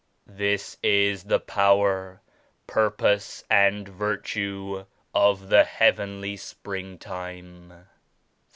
This is the power, purpose and virtue of the Heavenly Springtime."